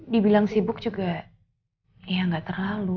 dibilang sibuk juga ya nggak terlalu